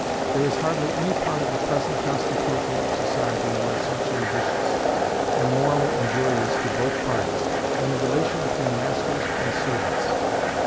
There is hardly any part of the present constitution of society more essentially vicious, and morally injurious to both parties, than the relation between masters and servants.